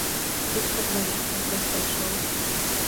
І спакваля працэс пайшоў.